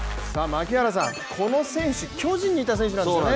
この選手、巨人にいた選手なんですよね。